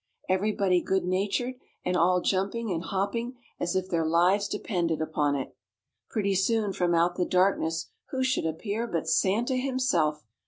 Everybody good natured, and all jumping and hopping, as if their lives depended upon it. Pretty soon from out the darkness who should appear but Santa himself?